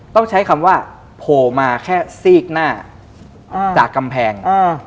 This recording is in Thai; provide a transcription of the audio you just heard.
ต้องใช้คำว่าโผล่มาแค่ซีกหน้าจากกำแพง